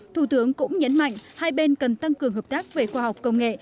thủ tướng cũng nhấn mạnh hai bên cần tăng cường hợp tác về khoa học công nghệ